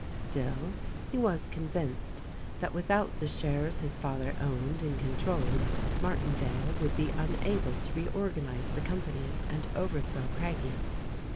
Still he was convinced that without the shares his father owned and controlled Martinvale would be unable to re organize the company and overthrow Craggie.